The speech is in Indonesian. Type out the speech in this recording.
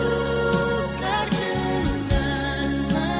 itu yang ditolak dunia